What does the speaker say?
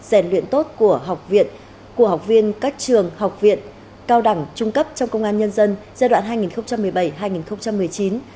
rèn luyện tốt của học viện của học viên các trường học viện cao đẳng trung cấp trong công an nhân dân giai đoạn hai nghìn một mươi bảy hai nghìn một mươi chín